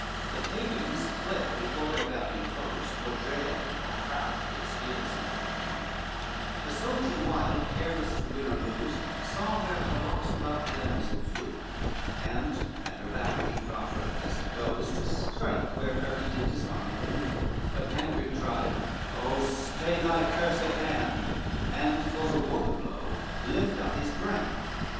XXIX The Pagans fled before their valiant foes, For dread or craft, it skills not that we know, A soldier wild, careless to win or lose, Saw where her locks about the damsel flew, And at her back he proffereth as he goes To strike where her he did disarmed view: But Tancred cried, "Oh stay thy cursed hand," And for to ward the blow lift up his brand.